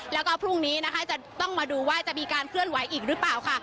แล้วก็พรุ่งนี้นะคะจะต้องมาดูว่าจะมีการเคลื่อนไหวอีกหรือเปล่าค่ะ